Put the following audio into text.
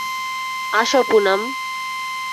আসো, পুনাম।